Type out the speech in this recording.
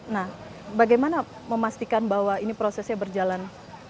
nah bagaimana memastikan bahwa ini prosesnya berjalan